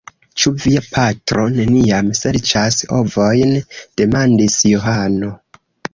Ĉu via patro neniam serĉas ovojn? demandis Johano.